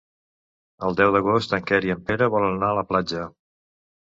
El deu d'agost en Quer i en Pere volen anar a la platja.